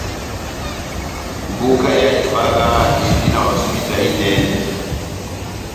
Mboka ya Ivala endi na hosipita inɛnɛ.